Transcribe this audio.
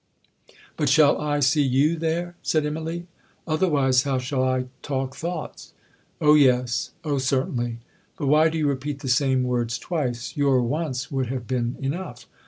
'—'But shall I see you there,' said Immalee, 'otherwise how shall I talk thoughts?—'Oh yes,—oh certainly.'—'But why do you repeat the same words twice; your once would have been enough.'